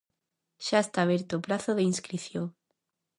Xa está aberto o prazo de inscrición.